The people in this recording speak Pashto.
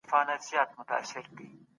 هغه د ارماني ټولني په هڅه کي و.